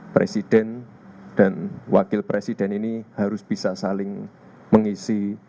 presiden dan wakil presiden ini harus bisa saling mengisi